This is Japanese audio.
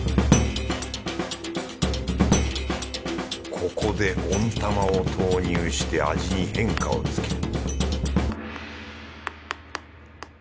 ここで温卵を投入して味に変化をつける